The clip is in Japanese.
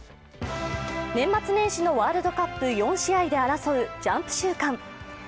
年末年始のワールドカップ４試合で争うジャンプ週間。